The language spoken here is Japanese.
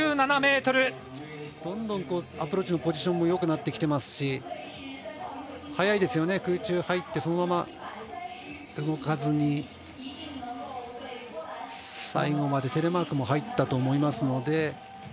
どんどんアプローチのポジションもよくなってきてますし速いですよね、空中入ってそのまま動かずに最後までテレマークも入ったと思いますので。